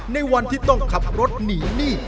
ในวันที่ต้องขับรถหนีหนี้